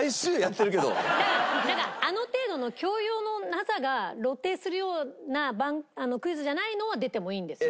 あの程度の教養のなさが露呈するようなクイズじゃないのは出てもいいんですよ。